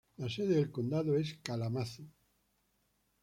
La sede del condado es Kalamazoo.